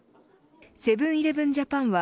セブン‐イレブン・ジャパンは